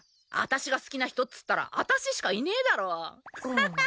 あたしが好きな人っつったらあたししかいねえだろ。